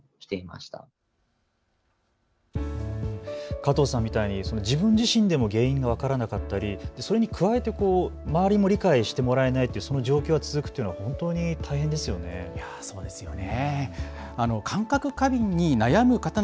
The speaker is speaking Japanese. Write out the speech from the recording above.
加藤さんみたいに自分自身でも原因が分からなかったりそれに加えて周りも理解してもらえない、そういう状況が続くのは本当に大変ですよね。